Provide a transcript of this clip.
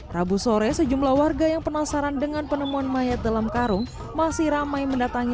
rabu sore sejumlah warga yang penasaran dengan penemuan mayat dalam karung masih ramai mendatangi